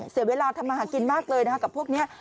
เสียเวลาทำมาหากินมากเลยนะคะกับพวกนี้